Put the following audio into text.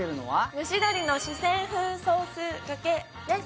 蒸し鶏の四川風ソースかけです。